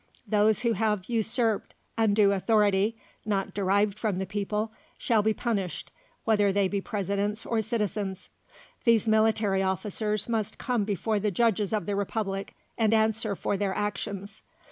Those who have usurped undue authority, not derived from the people, shall be punished, whether they be presidents or citizens. These military officers must come before the judges of the Republic and answer for their actions.